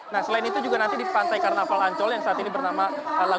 nah selain itu juga nanti di pantai karnaval ancol yang saat ini bernama lagu